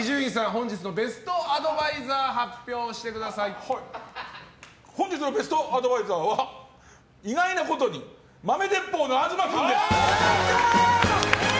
本日のベストアドバイザーを本日のベストアドバイザーは意外なことに豆鉄砲の東君です！